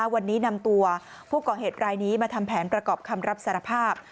วันนี้นำตัวผู้ก่อเหตุรายนี้มาทำแผนประกอบคำรับสารภาพ